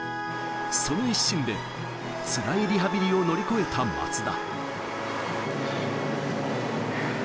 その一心でつらいリハビリを乗り越えた松田。